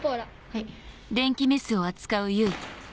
はい。